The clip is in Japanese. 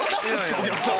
お客さん。